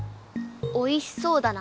おいしそうだな。